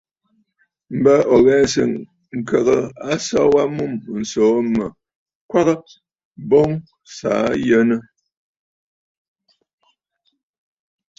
M̀bə ò ghɛ̂sə̀ ŋkəgə aso wa mûm ǹsòò mə kwaʼa boŋ sɨ̀ aa yənə!